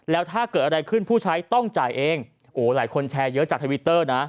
แล้วถ้าเกิดอะไรขึ้นผู้ใช้ต้องจ่ายเองโอ้โหหลายคนแชร์เยอะจากทวิตเตอร์นะ